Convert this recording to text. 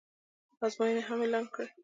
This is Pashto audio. ازموینې هم اعلان کړې